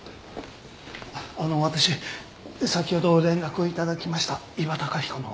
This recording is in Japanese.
あの私先ほど連絡を頂きました伊庭崇彦の。